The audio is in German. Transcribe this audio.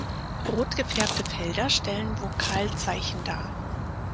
Rot gefärbte Felder stellen Vokalzeichen dar.